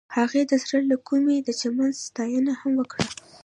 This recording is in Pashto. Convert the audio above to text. هغې د زړه له کومې د چمن ستاینه هم وکړه.